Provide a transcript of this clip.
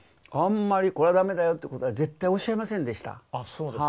あんまり「これはダメだよ」ってことは絶対おっしゃいませんでした。